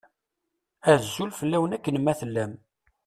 Azul fell-awen akken ma tellam.